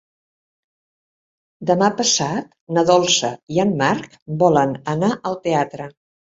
Demà passat na Dolça i en Marc volen anar al teatre.